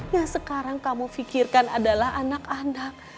yang sekarang kamu pikirkan adalah anak anak